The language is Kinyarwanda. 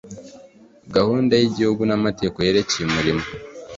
gahunda y’igihugu n’amategeko yerekeye umurimo